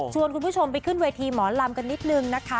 คุณผู้ชมไปขึ้นเวทีหมอลำกันนิดนึงนะคะ